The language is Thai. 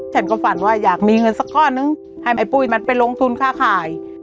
ฉันก็ฝันว่าอยากมีเงินสักก้อนนึงให้ไอ้ปุ้ยมันไปลงทุนค่าขาย